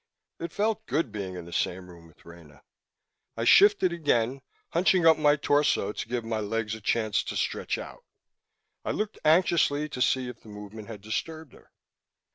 It felt good, being in the same room with Rena. I shifted again, hunching up my torso to give my legs a chance to stretch out. I looked anxiously to see if the movement had disturbed her.